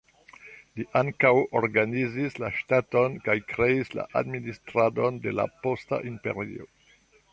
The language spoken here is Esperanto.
Li ankaŭ organizis la ŝtaton, kaj kreis la administradon de la posta imperio.